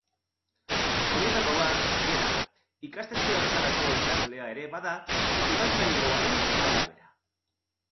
Horietako bat, gainera, ikastetxe horretako ikaslea ere bada, udaltzaingoaren arabera.